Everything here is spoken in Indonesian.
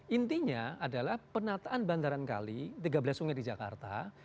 intinya adalah penataan bandaran kali tiga belas sungai di jakarta